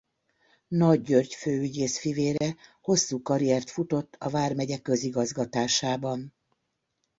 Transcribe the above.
Nagy György főügyész fivére hosszú karriert futott a vármegye közigazgatásában.